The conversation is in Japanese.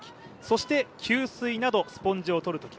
そして吸水などスポンジをとるとき。